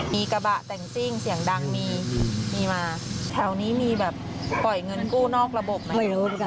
มีกระบะแต่งซิ่งเสียงดังมีมีมาแถวนี้มีแบบปล่อยเงินกู้นอกระบบไหม